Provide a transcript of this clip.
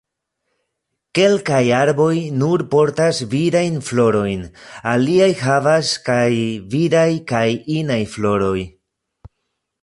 Kelkaj arboj nur portas virajn florojn.. Aliaj havas kaj viraj kaj inaj floroj.